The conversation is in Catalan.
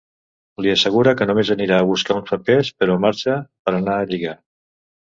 Li assegura que només anirà a buscar uns papers, però marxa per anar a lligar.